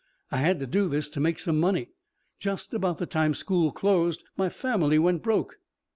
I had to do this to make some money. Just about the time school closed, my family went broke."